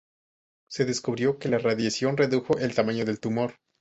Se descubrió que la radiación redujo el tamaño del tumor.